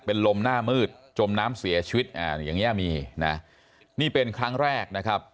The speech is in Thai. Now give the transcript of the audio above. เป็นลมหน้ามืดจมน้ำเสียชีวิตอ่าอย่างเงี้ยมีนะนี่เป็นครั้งแรกนะครับ